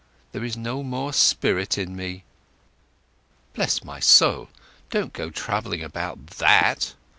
There is no more spirit in me." "Bless my soul, don't go troubling about that!